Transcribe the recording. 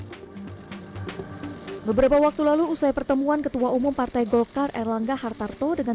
hai beberapa waktu lalu usai pertemuan ketua umum partai golkar erlangga hartarto dengan